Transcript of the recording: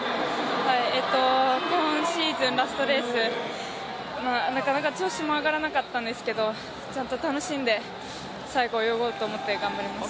今シーズンラストレース、なかなか調子も上がらなかったんですけどちゃんと楽しんで最後、泳ごうと思って頑張りました。